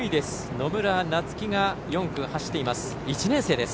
野村夏希が４区、走っています。